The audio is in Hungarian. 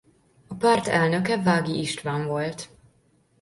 A párt elnöke Vági István volt.